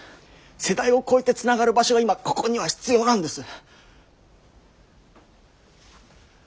世代を超えてつながる場所が今ここには必要なんです。